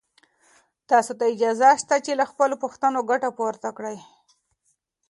تاسو ته اجازه شته چې له خپلو پوښتنو ګټه پورته کړئ.